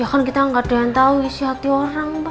ya kan kita gak ada yang tau isi hati orang mbak